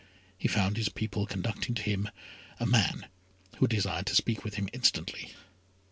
He found his people conducting to him, a man who desired to speak with him instantly.